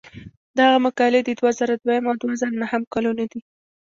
دغه مقالې د دوه زره دویم او دوه زره نهم کلونو دي.